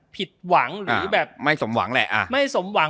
ผิดหวังหรือแบบไม่สมหวังแหละ